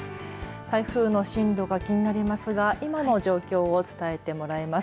台風の進路が気になりますが今の状況を伝えてもらいます。